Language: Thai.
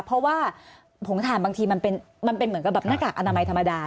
เพราะว่าผงถ่านบางทีมันเป็นเหมือนกับแบบหน้ากากอนามัยธรรมดา